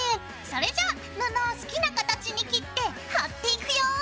それじゃ布を好きな形に切って貼っていくよ！